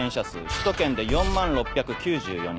首都圏で４万６９４人。